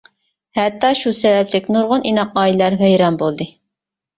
ھەتتا شۇ سەۋەبلىك نۇرغۇن ئىناق ئائىلىلەر ۋەيران بولدى.